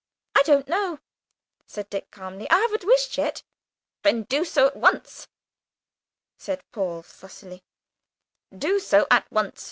"I don't know," said Dick calmly, "I haven't wished yet." "Then do so at once," said Paul fussily, "do so at once.